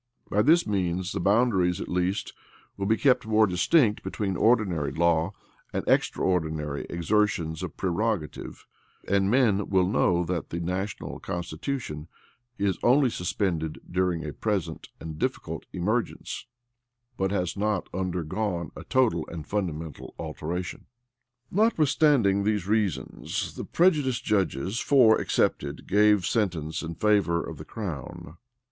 By this means, the boundaries, at least, will be kept more distinct between ordinary law and extraordinary exertions of prerogative; and men will know, that the national constitution is only suspended during a present and difficult emergence, but has not under gone a total and fundamental alteration. Notwithstanding these reasons, the prejudiced judges, four[*] excepted, gave sentence in favor of the crown.